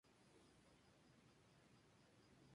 Así mismo trabajó acerca de la estereoquímica y las enzimas.